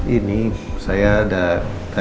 ini saya ada